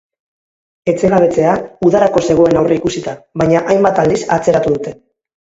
Etxegabetzea udarako zegoen aurreikusita, baina hainbat aldiz atzeratu dute.